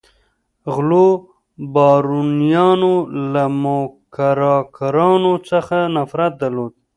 غلو بارونیانو له موکراکرانو څخه نفرت درلود.